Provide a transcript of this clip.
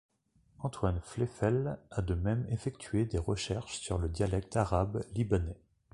Antoine Fleyfel a de même effectué des recherches sur le dialecte arabe libanais.